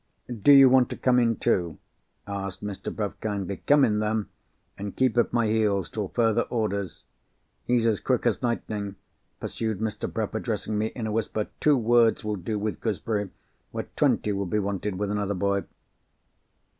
"Do you want to come in too?" asked Mr. Bruff kindly. "Come in then, and keep at my heels till further orders. He's as quick as lightning," pursued Mr. Bruff, addressing me in a whisper. "Two words will do with Gooseberry, where twenty would be wanted with another boy."